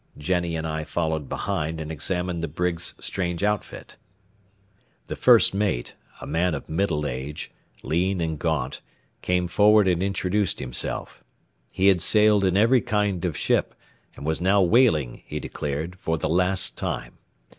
Jennie and I followed behind and examined the brig's strange outfit. The first mate, a man of middle age, lean and gaunt, came forward and introduced himself. He had sailed in every kind of ship, and was now whaling, he declared, for the last time.